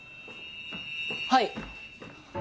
はい！